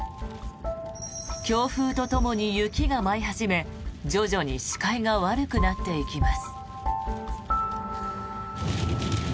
強風とともに雪が舞い始め徐々に視界が悪くなっていきます。